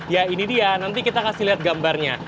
ya ini dia nanti kita kasih lihat gambarnya